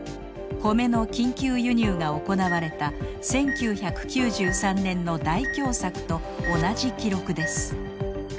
米の緊急輸入が行われた１９９３年の大凶作と同じ記録です。